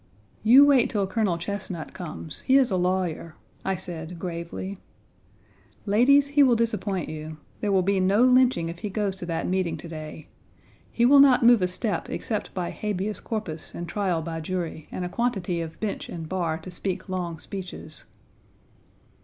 "You wait till Colonel Chesnut comes." "He is a lawyer," I said, gravely. "Ladies, he will disappoint you. There will be no lynching if he goes to that meeting to day. He will not move a step except by habeas corpus and trial by jury, and a quantity of bench and bar to speak long speeches."